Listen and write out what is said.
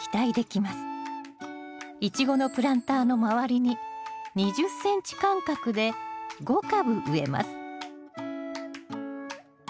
イチゴのプランターの周りに２０ｃｍ間隔で５株植えます